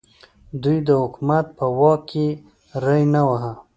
دوی د حکومت په واک کې ری نه واهه.